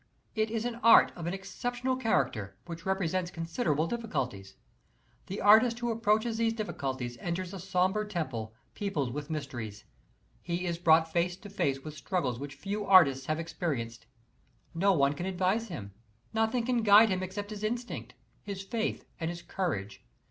It is an art of an exceptional character, which presents considerable difficulties. The artist who approaches these difficulties enters a sombre temple, peopled with mysteries. He is brought face to face with struggles which few artists have experienced. No one can advise him, nothing can guide him except his instinct, his faith and his courage.